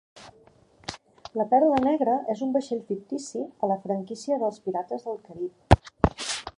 La Perla Negra és un vaixell fictici a la franquícia dels "Pirates del Carib".